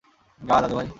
গা, দাদুভাই!